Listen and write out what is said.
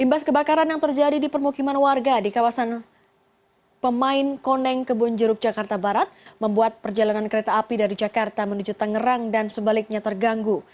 imbas kebakaran yang terjadi di permukiman warga di kawasan pemain koneng kebonjeruk jakarta barat membuat perjalanan kereta api dari jakarta menuju tangerang dan sebaliknya terganggu